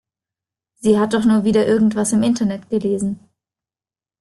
Sie hat doch nur wieder irgendwas im Internet gelesen.